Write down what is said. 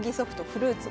フルーツ